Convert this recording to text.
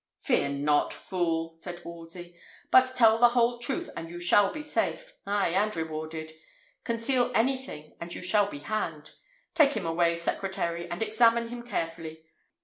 "Fear not, fool!" said Wolsey; "but tell the whole truth, and you shall be safe; ay, and rewarded. Conceal anything, and you shall be hanged. Take him away, secretary, and examine him carefully.